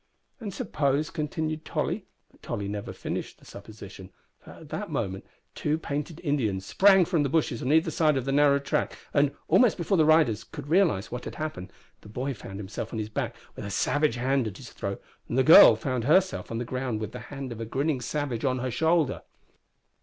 "And suppose," continued Tolly but Tolly never finished the supposition, for at that moment two painted Indians sprang from the bushes on either side of the narrow track, and, almost before the riders could realise what had happened, the boy found himself on his back with a savage hand at his throat and the girl found herself on the ground with the hand of a grinning savage on her shoulder.